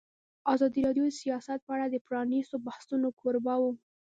ازادي راډیو د سیاست په اړه د پرانیستو بحثونو کوربه وه.